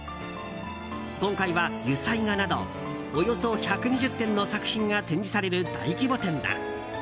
今回は油彩画などおよそ１２０点の作品が展示される大規模展だ。